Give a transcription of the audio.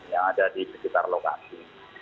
yang ada di sekitar lokasi